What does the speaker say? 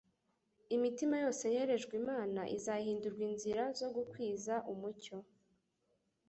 Imitima yose yerejwe Imana izahindurwa inzira zo gukwiza umucyo.